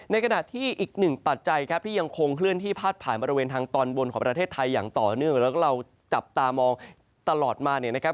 ในขณะที่อีกหนึ่งปัจจัยครับที่ยังคงเคลื่อนที่พาดผ่านบริเวณทางตอนบนของประเทศไทยอย่างต่อเนื่องแล้วก็เราจับตามองตลอดมาเนี่ยนะครับ